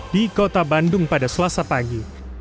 di kota bandung pada selasa pagi